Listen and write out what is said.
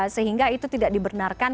sehingga itu tidak dibenarkan